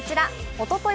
おととい